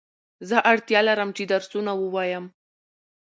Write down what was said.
زه اړتیا لرم چي درسونه ووایم